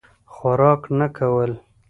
خوراک نه کول.